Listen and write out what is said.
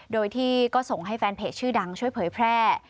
โดยที่ก็ส่งให้แฟนเพจชื่อดังช่วยเผยแพร่